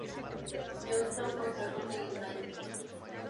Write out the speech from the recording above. Johnstone contra Dundee United.